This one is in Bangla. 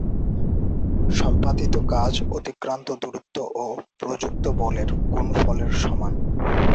সম্পাদিত কাজ অতিক্রান্ত দূরত্ব ও প্রযুক্ত বলের গুণফলের সমান।